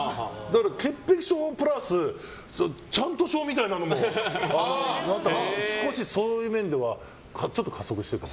潔癖症プラスちゃんと症みたいなのも少しそういう面では加速してるかも。